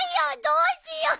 どうしよう。